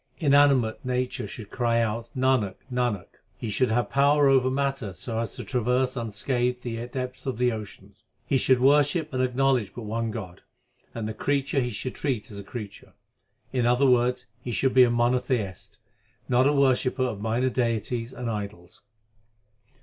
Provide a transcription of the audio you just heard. Inanimate nature should cry out Nanak, Nanak ! He should have power over matter so as to traverse unscathed the depths of the ocean. He should worship and acknowledge but one God, and the creature he should treat as a creature. In other words he should be a mono theist, not a worshipper of minor deities and idols.